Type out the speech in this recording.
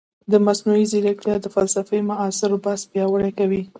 مصنوعي ځیرکتیا د فلسفې معاصر بحث پیاوړی کوي.